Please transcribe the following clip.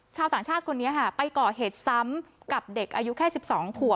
ชาวต่างชาติคนนี้ค่ะไปก่อเหตุซ้ำกับเด็กอายุแค่๑๒ผัว